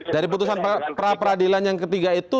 dari putusan pra peradilan yang ketiga itu